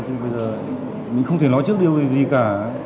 chứ bây giờ mình không thể nói trước điều gì cả